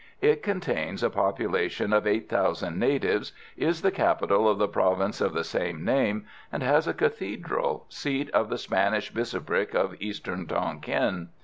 It contains a population of eight thousand natives, is the capital of the province of the same name, and has a cathedral, seat of the Spanish bishopric of eastern Tonquin.